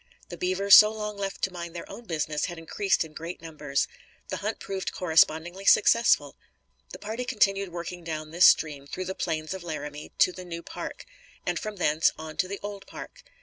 The beaver, so long left to mind their own business, had increased in great numbers. The hunt proved correspondingly successful. The party continued working down this stream through the plains of Laramie to the New Park; and from thence, on to the Old Park.